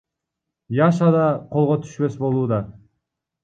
Яша да колго түшпөс болууда.